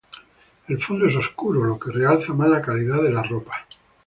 El fondo es oscuro, lo que realza más la calidad de las ropas.